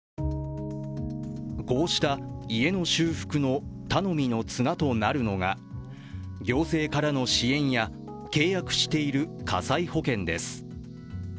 こうした家の修復の頼みの綱となるのが行政からの支援や契約している火災保険です。